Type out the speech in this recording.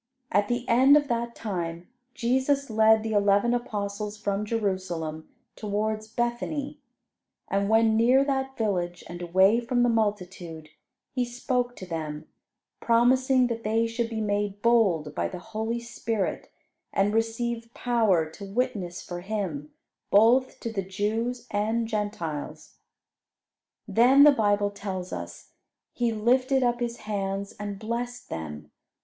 At the end of that time Jesus led the eleven apostles from Jerusalem towards Bethany; and when near that village, and away from the multitude, He spoke to them, promising that they should be made bold by the Holy Spirit, and receive power to witness for Him both to the Jews and Gentiles. Then, the Bible tells us, "He lifted up His hands and blessed them.